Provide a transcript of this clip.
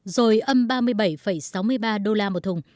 rồi âm ba mươi bảy sáu mươi ba đô la một thùng